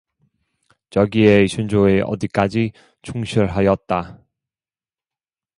자기의 신조에 어디까지 충실하였다.